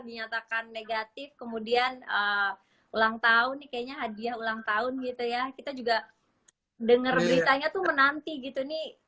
dinyatakan negatif kemudian ulang tahun nih kayaknya hadiah ulang tahun gitu ya kita juga dengar beritanya tuh menanti gitu nih